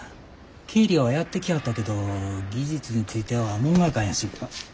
経理はやってきはったけど技術については門外漢やし。